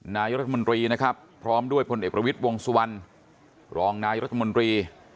นายรัฐมนตรีนะครับพร้อมด้วยพลเอกประวิทย์วงสุวรรณรองนายรัฐมนตรี